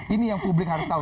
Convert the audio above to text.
ini yang publik harus tahu